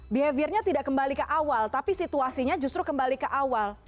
behaviornya tidak kembali ke awal tapi situasinya justru kembali ke awal